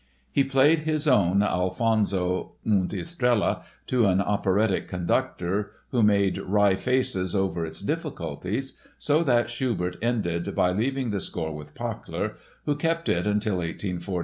He played his own Alfonso und Estrella to an operatic conductor, who made wry faces over its "difficulties" so that Schubert ended by leaving the score with Pachler, who kept it till 1841.